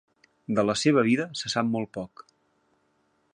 De la seva vida se sap molt poc.